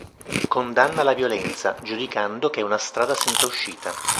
Condanna la violenza, giudicando che è una strada senza uscita.